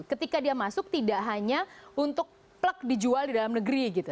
ketika dia masuk tidak hanya untuk plek dijual di dalam negeri gitu